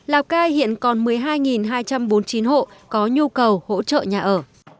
lào cai hiện còn một mươi hai hai trăm bốn mươi chín hộ có nhu cầu hỗ trợ nhà ở